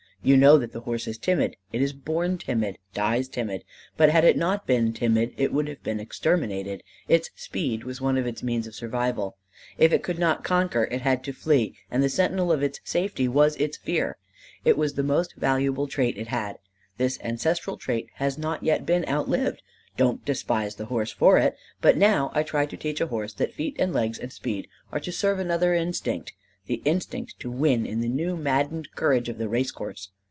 You know that the horse is timid, it is born timid, dies timid; but had it not been timid, it would have been exterminated: its speed was one of its means of survival: if it could not conquer, it had to flee and the sentinel of its safety was its fear; it was the most valuable trait it had; this ancestral trait has not yet been outlived; don't despise the horse for it. But now I try to teach a horse that feet and legs and speed are to serve another instinct the instinct to win in the new maddened courage of the race course.